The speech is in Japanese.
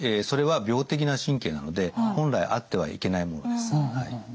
それは病的な神経なので本来あってはいけないものです。